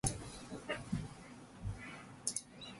總算達成人生第一次的成就